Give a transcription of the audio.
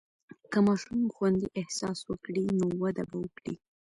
که ماشوم خوندي احساس وکړي، نو وده به وکړي.